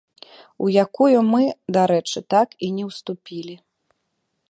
У якую мы, дарэчы, так і не ўступілі.